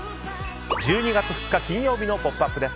１２月２日、金曜日の「ポップＵＰ！」です。